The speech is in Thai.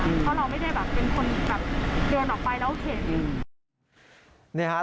เพราะเราไม่ได้แบบเป็นคนแบบเดินออกไปแล้วเห็น